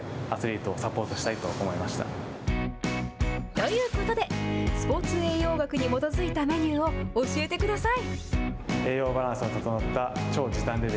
ということで、スポーツ栄養学に基づいたメニューを教えてください。